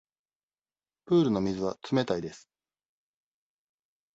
プールの水は冷たいです。